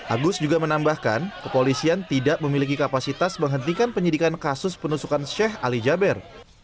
agus juga menambahkan kepolisian tidak memiliki kapasitas menghentikan penyidikan kasus penusukan sheikh ali jaber